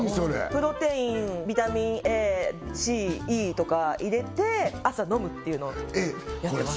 プロテインビタミンＡＣＥとか入れて朝飲むっていうのをやってます